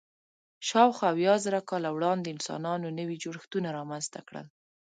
شاوخوا اویا زره کاله وړاندې انسانانو نوي جوړښتونه رامنځ ته کړل.